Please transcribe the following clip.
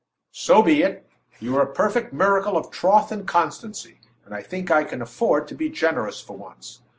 "So be it! You are a perfect miracle of troth and constancy, and I think I can afford to be generous for once.